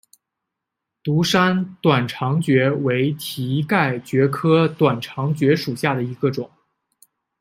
独山短肠蕨为蹄盖蕨科短肠蕨属下的一个种。